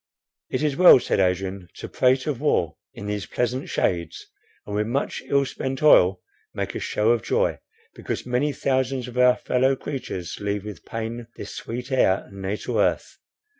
"It is well," said Adrian, "to prate of war in these pleasant shades, and with much ill spent oil make a show of joy, because many thousand of our fellow creatures leave with pain this sweet air and natal earth.